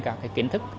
các cái kiến thức